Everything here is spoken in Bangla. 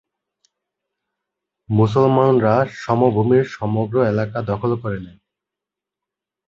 মুসলমানরা সমভূমির সমগ্র এলাকা দখল করে নেয়।